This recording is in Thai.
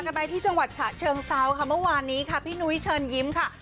กันไปที่จังหวัดฉะเชิงเซาค่ะเมื่อวานนี้ค่ะพี่นุ้ยเชิญยิ้มค่ะ